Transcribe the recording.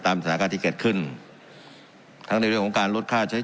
สถานการณ์ที่เกิดขึ้นทั้งในเรื่องของการลดค่าใช้